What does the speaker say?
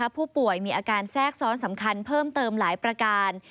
ผู้ป่วยมีอาการแทรกซ้อนสำคัญเพิ่มเติมหลายประการ